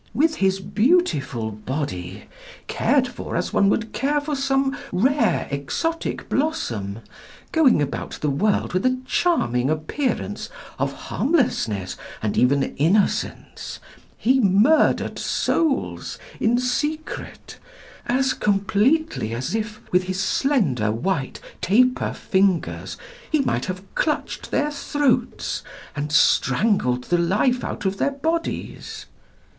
With his beautiful body cared for as one would care for some rare exotic blossom going about the world with a charming appearance of harmlessness and even innocence, he murdered souls in secret, as completely as if with his slender, white, taper fingers he might have clutched their throats and strangled the life out of their bodies.